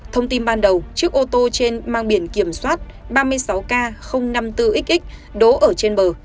thông tin ban đầu chiếc ô tô trên mang biển kiểm soát ba mươi sáu k năm mươi bốn xx đỗ ở trên bờ